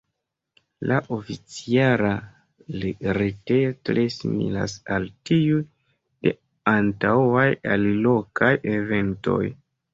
La oficiala retejo tre similas al tiuj de antaŭaj alilokaj eventoj.